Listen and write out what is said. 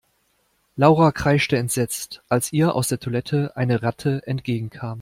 Laura kreischte entsetzt, als ihr aus der Toilette eine Ratte entgegenkam.